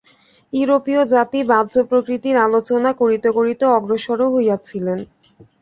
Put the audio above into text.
ইউরোপীয় জাতি বাহ্য প্রকৃতির আলোচনা করিতে করিতে অগ্রসর হইয়াছিলেন।